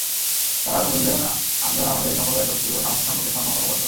তারা আরো বললেন, আমরা আমাদের সম্প্রদায়ের শক্তি ও সামর্থ্য সম্পর্কে সম্যক অবগত।